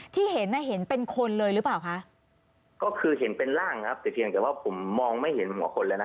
ที่เห็นน่ะเห็นเป็นคนเลยหรือเปล่าคะก็คือเห็นเป็นร่างครับแต่เพียงแต่ว่าผมมองไม่เห็นหัวคนแล้วนะ